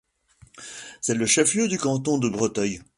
C'est le chef-lieu du canton de Breteuil.